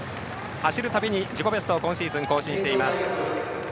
走るたびに自己ベストを今シーズン、更新しています。